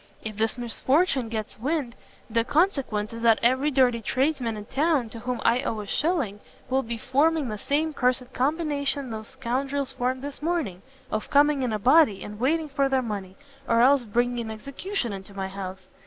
If this misfortune gets wind, the consequence is that every dirty tradesman in town to whom I owe a shilling, will be forming the same cursed combination those scoundrels formed this morning, of coming in a body, and waiting for their money, or else bringing an execution into my house..